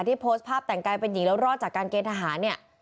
โพสต์ภาพแต่งกายเป็นหญิงแล้วรอดจากการเกณฑหารเนี่ย